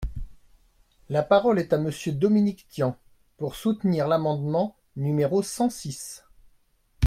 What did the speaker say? La parole est à Monsieur Dominique Tian, pour soutenir l’amendement numéro cent six.